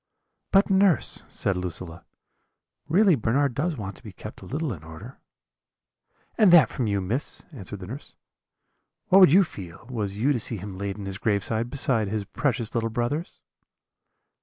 "'But, nurse,' said Lucilla, 'really Bernard does want to be kept a little in order.' "'And that from you, Miss?' answered the nurse; 'what would you feel, was you to see him laid in his grave beside his precious little brothers?'